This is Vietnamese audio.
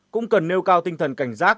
cũng cần nêu cao tinh thần cảnh giác